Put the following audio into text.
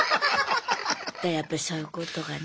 だからやっぱりそういうことがね。